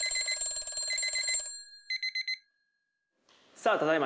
さあただいま